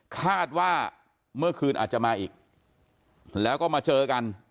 คาดว่าเมื่อคืนอาจจะมาอีกแล้วก็มาเจอกัน